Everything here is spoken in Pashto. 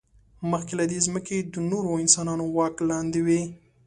مخکې له دې، ځمکې د نورو انسانانو واک لاندې وې.